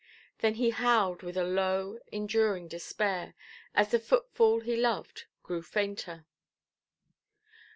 Then he howled with a low, enduring despair, as the footfall he loved grew fainter.